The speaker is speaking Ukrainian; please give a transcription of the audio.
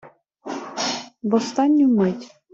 В останню мить